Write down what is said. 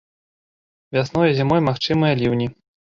Вясной і зімой магчымыя ліўні.